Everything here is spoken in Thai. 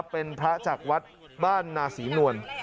เป็นพระจากวัดบ้านนาศรีนวล